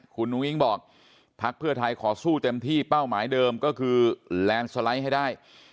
คุณหนูอิงบอกพรรคเพื่อไทยขอสู้เต็มที่เป้าหมายเดิมก็คือให้ได้